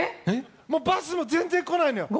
バスも全然来ないのよ。